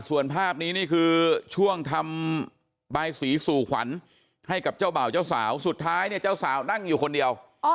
ส่วนภาพนี้นี่คือช่วงทำบายสีสู่ขวัญให้กับเจ้าบ่าวเจ้าสาวสุดท้ายเนี่ยเจ้าสาวนั่งอยู่คนเดียว